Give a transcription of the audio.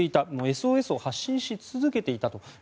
ＳＯＳを発信し続けていたと。